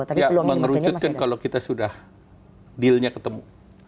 ya mengerucutkan kalau kita sudah dealnya ketemu